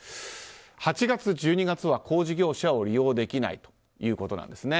８月、１２月は工事業者を利用できないということです。